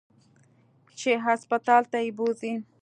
چې هسپتال ته يې بوځي.